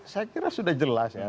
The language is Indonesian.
saya kira sudah jelas ya